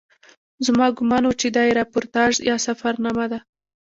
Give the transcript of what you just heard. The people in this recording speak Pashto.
زما ګومان و چې دا یې راپورتاژ یا سفرنامه ده.